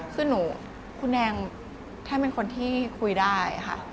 คุณแดงแท่มเป็นคนที่คุยได้ค่ะ